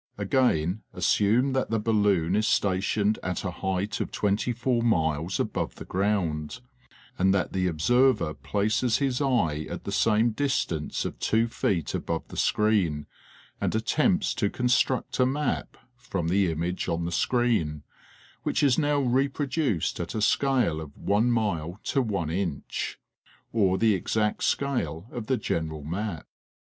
Again assume that the balloon is stationed at a height of twenty four miles above the ground, and that the observer places his eye at the same distance of two feet above the screen and attempts to construct a map from the image on the screen, which is now reproduced at a scale of one mile to one inch, or 254 National Geographic Magazine. the exact scale of the general map.